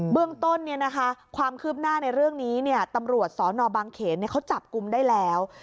เบื้องต้นความคืบหน้าในเรื่องนี้ตำรวจสนบางเขนเขาจับกลุ่มได้แล้ว